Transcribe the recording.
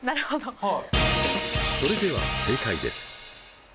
それでは正解です。